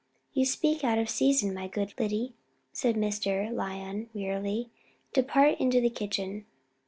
"You speak out of season, my good Lyddy," said Mr. Lyon, wearily; "depart into the kitchen."